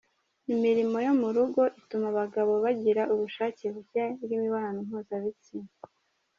Imirimo yo mu rugo ituma abagabo bagira ubushake buke bw’imibonano mpuzabitsina